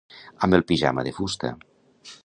Amb el pijama de fusta.